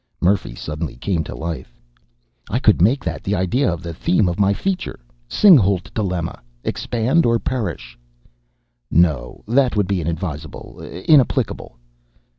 Murphy suddenly came to life. "I could make that idea the theme of my feature! Singhalût Dilemma: Expand or Perish!" "No, that would be inadvisable, inapplicable."